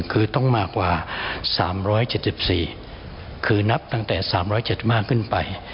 คือต้องมากกว่า๓๗๔ภัณฑ์เสียงคือนับตั้งแต่๓๗๕ขึ้นไป